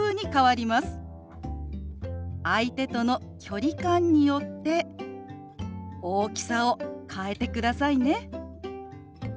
相手との距離感によって大きさを変えてくださいね。